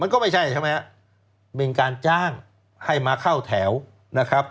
ก็ไม่ใช่ใช่ไหมฮะเป็นการจ้างให้มาเข้าแถวนะครับ